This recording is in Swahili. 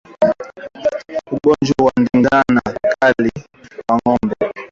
Ugonjwa wa ndigana kali kwa ngombe